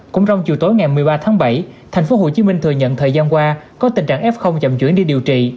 cũng trong chiều tối ngày một mươi ba tháng bảy thành phố hồ chí minh thừa nhận thời gian qua có tình trạng f chậm chuyển đi điều trị